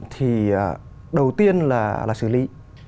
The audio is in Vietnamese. thì đầu tiên là xử lý